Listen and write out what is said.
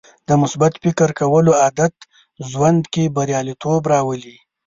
د مثبت فکر کولو عادت ژوند کې بریالیتوب راولي.